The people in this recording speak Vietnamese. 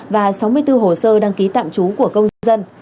và sáu mươi bốn hồ sơ đăng ký tạm trú của công dân